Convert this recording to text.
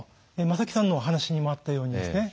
正木さんのお話にもあったようにですね